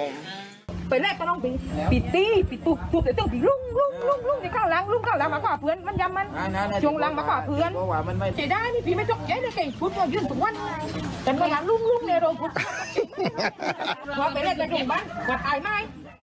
พอไปเล่นไปดูมั้ยพอไปไม่